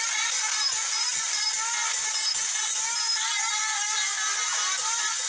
มึงหนี่ครับ